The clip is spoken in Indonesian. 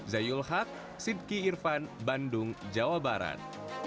zayul haq sidki irfan bandung jawa barat